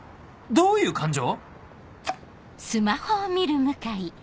どういう感情？